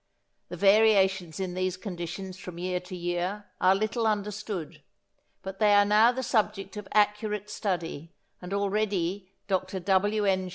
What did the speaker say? The variations in these conditions from year to year are little understood, but they are now the subject of accurate study, and already Dr W. N.